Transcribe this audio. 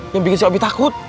yang bikin si opi takut